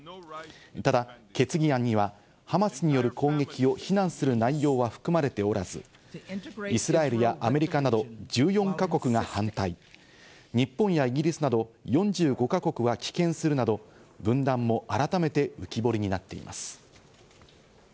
ただ、決議案にはハマスによる攻撃を非難する内容は含まれておらず、イスラエルやアメリカなど１４か国が反対、日本やイギリスなど４５か国は棄権するなど、分断も改めて浮き彫りになっています。